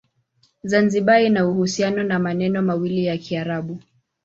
Zanzibar ina uhusiano na maneno mawili ya Kiarabu.